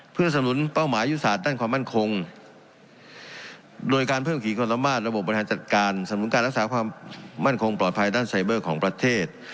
เพื่อสนุนเป้าหมายยุทธศาสตร์ด้านความมั่นคงโดยการเพิ่มขีดความสามารถระบบบบริหารจัดการสำนุนการรักษาความมั่นคงปลอดภัยด้านไซเบอร์ของประเทศ